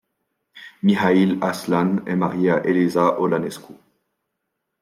Mihail Aslan est marié à Eliza Olănescu.